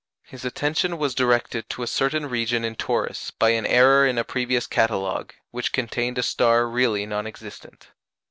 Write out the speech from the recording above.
His attention was directed to a certain region in Taurus by an error in a previous catalogue, which contained a star really non existent.